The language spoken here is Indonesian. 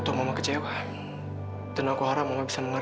dan juga percuma dengan kamu